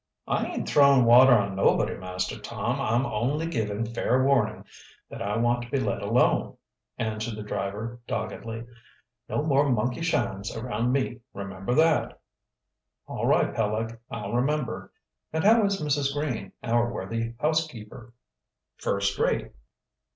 "I ain't throwin' water on nobody, Master Tom; I'm only giving fair warning that I want to be let alone," answered the driver doggedly. "No more monkey shines around me, remember that." "All right, Peleg, I'll remember. And how is Mrs. Green, our worthy housekeeper?" "First rate."